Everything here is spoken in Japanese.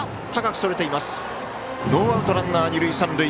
ノーアウト、ランナー、二塁三塁。